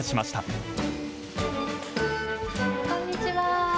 こんにちは。